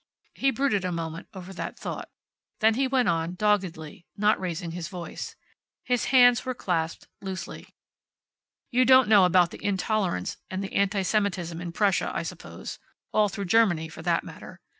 He brooded a moment over that thought. Then he went on, doggedly, not raising his voice. His hands were clasped loosely. "You don't know about the intolerance and the anti Semitism in Prussia, I suppose. All through Germany, for that matter.